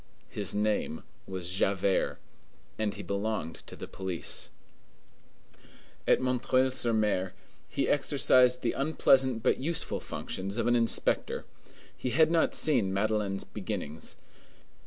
His name was Javert, and he belonged to the police. At M. sur M. he exercised the unpleasant but useful functions of an inspector. He had not seen Madeleine's beginnings.